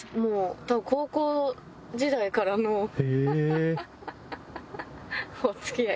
多分高校時代からのお付き合い。